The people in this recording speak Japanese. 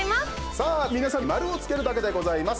さあ、皆さん丸をつけるだけでございます。